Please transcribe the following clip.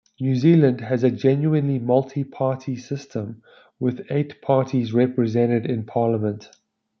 New Zealand has a genuinely multi-party system, with eight parties represented in Parliament.